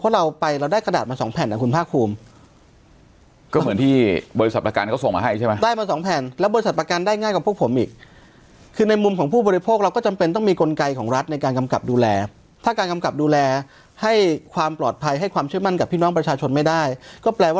เพราะเราไปเราได้กระดาษมาสองแผ่นอ่ะคุณภาคภูมิก็เหมือนที่บริษัทประกันเขาส่งมาให้ใช่ไหมได้มาสองแผ่นแล้วบริษัทประกันได้ง่ายกว่าพวกผมอีกคือในมุมของผู้บริโภคเราก็จำเป็นต้องมีกลไกของรัฐในการกำกับดูแลถ้าการกำกับดูแลให้ความปลอดภัยให้ความเชื่อมั่นกับพี่น้องประชาชนไม่ได้ก็แปลว่า